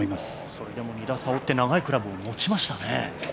それでも２打差を追って長いクラブを持ちましたね。